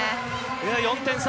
４点差。